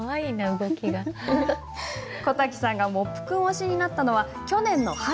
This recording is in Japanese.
小滝さんがモップ君推しになったのは去年の春。